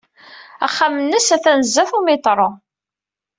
Axxam-nnes atan sdat umiṭru.